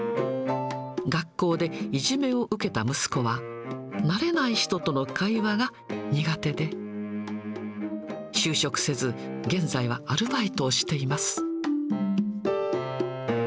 学校でいじめを受けた息子は、慣れない人との会話が苦手で、就職せず、現在はアルバイトをしています。